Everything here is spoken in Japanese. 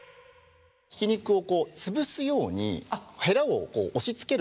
ひき肉を潰すようにヘラを押しつける感じで。